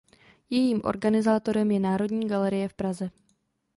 Jejím organizátorem je Národní galerie v Praze.